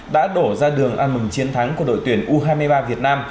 đã đổ ra đường ăn mừng chiến thắng của đội tuyển u hai mươi ba việt nam